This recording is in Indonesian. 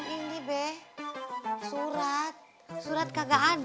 ini b surat surat kagak ada